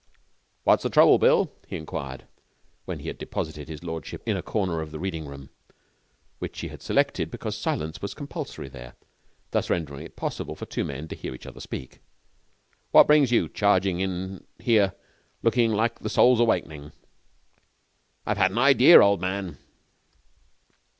'What's the trouble, Bill?' he inquired, when he had deposited his lordship in a corner of the reading room, which he had selected because silence was compulsory there, thus rendering it possible for two men to hear each other speak. 'What brings you charging in here looking like the Soul's Awakening?' 'I've had an idea, old man.'